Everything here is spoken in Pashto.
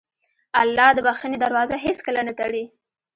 الله د بښنې دروازه هېڅکله نه تړي.